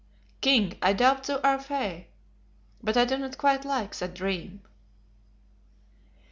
"King, I doubt thou art fey; I do not quite like that dream."